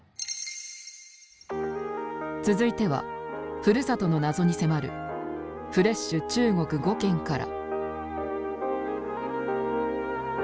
続いてはふるさとの謎に迫る「フレッシュちゅうごく５けん」から。